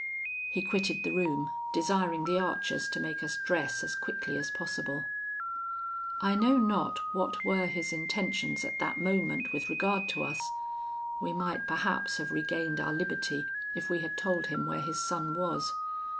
"He quitted the room, desiring the archers to make us dress as quickly as possible. "I know not what were his intentions at that moment with regard to us; we might perhaps have regained our liberty if we had told him where his son was.